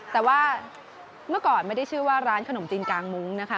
แต่ว่าเมื่อก่อนไม่ได้ชื่อว่าร้านขนมจีนกลางมุ้งนะคะ